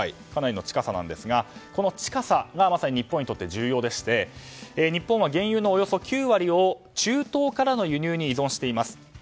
かなりの近さなんですがこの近さが、まさに日本にとって重要でして日本は原油のおよそ９割を中東からの輸入に依存しています。